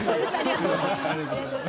ありがとうございます。